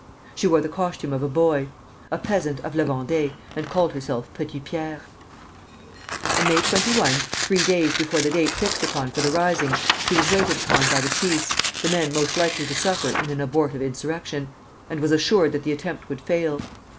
She wore the costume of a boy, a peasant of La Vendée and called herself Petit Pierre. On May 21, three days before the date fixed upon for the rising, she was waited upon by the chiefs, the men most likely to suffer in an abortive insurrection, and was assured that the attempt would fail.